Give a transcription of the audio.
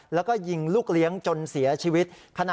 แล้วก็ยิงลูกเลี้ยงจนเสียชีวิต